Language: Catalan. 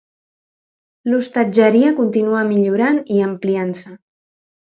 L'hostatgeria continuà millorant i ampliant-se.